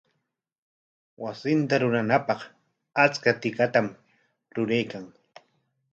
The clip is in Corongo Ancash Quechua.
Wasinta rurananpaq achka tikatam ruraykan.